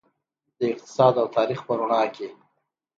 د اقتصاد او تاریخ په رڼا کې.